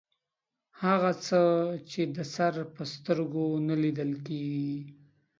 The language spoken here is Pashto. هغه څه چې د سر په سترګو نه لیدل کیږي